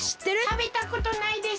たべたことないです。